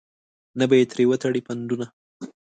نه به ترې وتړې پنډونه.